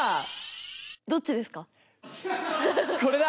これだ！